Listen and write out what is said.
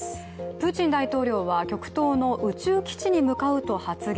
プーチン大統領は極東の宇宙基地に向かうと発言。